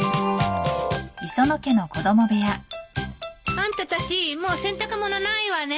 あんたたちもう洗濯物ないわね？